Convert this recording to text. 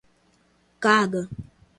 carga